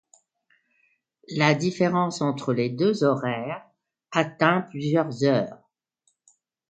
La différence entre les deux horaires atteint plusieurs heures.